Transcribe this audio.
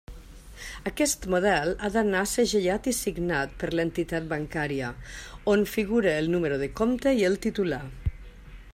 Aquest model ha d'anar segellat i signat per l'entitat bancària, on figure el número de compte i el titular.